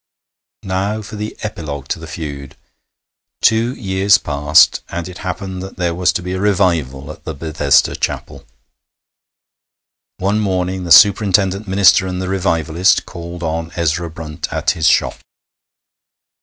Now for the epilogue to the feud. Two years passed, and it happened that there was to be a Revival at the Bethesda Chapel. One morning the superintendent minister and the revivalist called on Ezra Brunt at his shop.